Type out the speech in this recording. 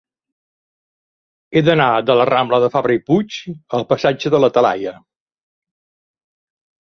He d'anar de la rambla de Fabra i Puig al passatge de la Talaia.